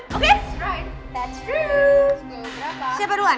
lo dalam mana saja